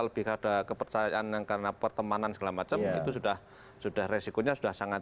lebih pada kepercayaan yang karena pertemanan segala macam itu sudah sudah resikonya sudah sangat